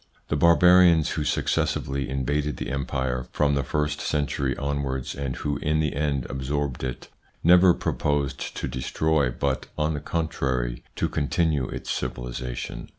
The Barbarians who successively invaded the Empire from the first century onwards, and who in the end absorbed it, never proposed to destroy but, on the contrary, to continue its civilisation.